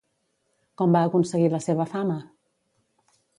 Com va aconseguir la seva fama?